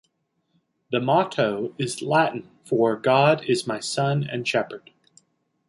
The motto is Latin for "God is my sun and shepherd".